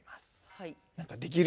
はい。